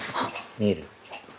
◆見える。